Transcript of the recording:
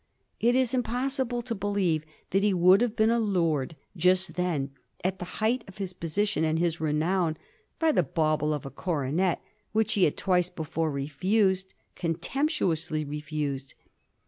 It is im possible to believe that he could have been allured just then,'at the height of his position and his renown, by the bauble of a coronet which he had twice before refused — contemptuously refused.